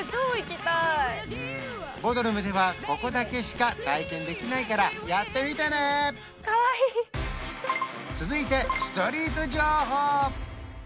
ボドルムではここだけしか体験できないからやってみてね続いてストリート情報！